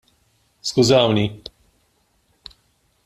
Skużawni!